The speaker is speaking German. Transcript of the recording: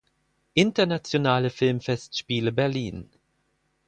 Internationale Filmfestspiele Berlin